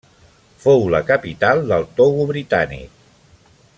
Fou la capital del Togo Britànic.